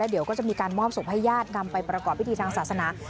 เดี๋ยวก็จะมีการมอบศพให้ญาตินำไปประกอบพิธีทางศาสนา